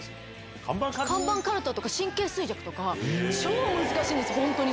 看板かるたとか、神経衰弱とか、超難しいんですよ、本当に。